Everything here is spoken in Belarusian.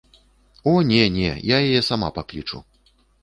О не, не, я яе сама паклічу.